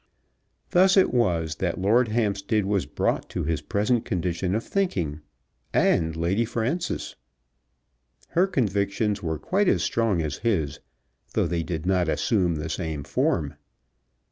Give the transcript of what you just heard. Thus it was that Lord Hampstead was brought to his present condition of thinking, and Lady Frances. Her convictions were quite as strong as his, though they did not assume the same form.